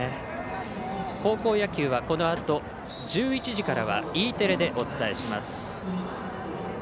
高校野球はこのあと１１時からはＥテレでお伝えします。